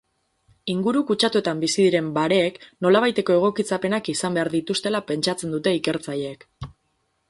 Inguru kutsatuetan bizi diren bareek nolabaiteko egokitzapenak izan behar dituztela pentsatzen dute ikertzaileek.